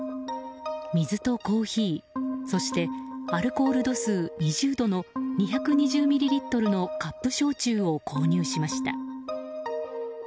水とコーヒーそしてアルコール度数２０度の２２０ミリリットルのカップ焼酎を購入しました。